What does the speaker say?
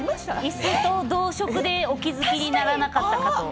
いすと同色でお気付きにならなかったと。